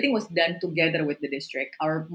dilakukan bersama dengan distrik